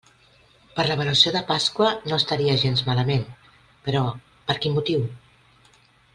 Per l'avaluació de Pasqua no estaria gens malament, però, per quin motiu?